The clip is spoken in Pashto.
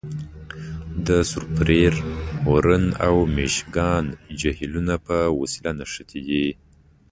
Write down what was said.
د سوپریر، هورن او میشګان جهیلونه په وسیله نښتي دي.